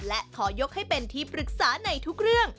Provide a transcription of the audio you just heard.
และขอยกให้เป็นที่ปรึกษาในทุกเรื่อง